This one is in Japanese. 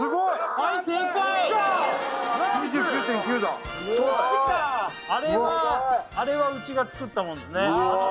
はい正解「９９．９」だあれはあれはうちが作ったもんですね